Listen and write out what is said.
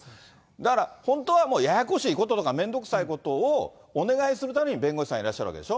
だから、本当はもうややこしいこととか、面倒くさいことを弁護士さんにお願いするために、弁護士さんいらっしゃるわけでしょ。